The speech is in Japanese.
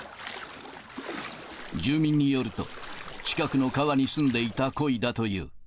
住民によると、近くの川に住んでいたこいだという。